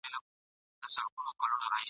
تیارې به تر ابده د دې غرونو په خوا نه وي !.